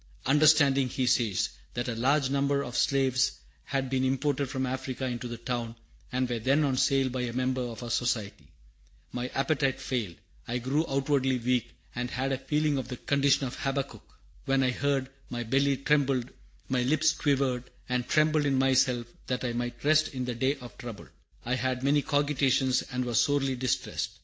"Understanding," he says, "that a large number of slaves had been imported from Africa into the town, and were then on sale by a member of our Society, my appetite failed; I grew outwardly weak, and had a feeling of the condition of Habakkuk: 'When I heard, my belly trembled, my lips quivered; I trembled in myself, that I might rest in the day of trouble.' I had many cogitations, and was sorely distressed."